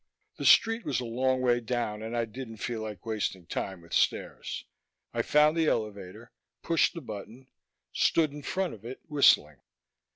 The street was a long way down and I didn't feel like wasting time with stairs. I found the elevator, pushed the button, stood in front of it whistling.